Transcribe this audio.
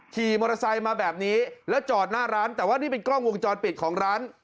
ขี่มอเตอร์ไซค์มาแบบนี้แล้วจอดหน้าร้านแต่ว่านี่เป็นกล้องวงจรปิดของร้าน